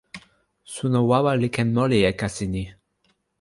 suno wawa li ken moli e kasi ni.